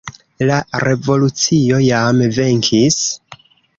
La revolucio jam venkis.